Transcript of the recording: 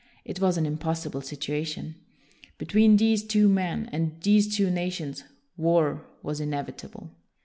It was an im possible situation. Between these two men and these two nations, war was inevitable.